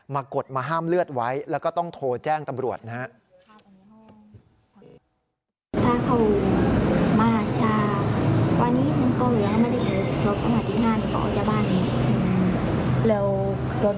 กดมาห้ามเลือดไว้แล้วก็ต้องโทรแจ้งตำรวจนะครับ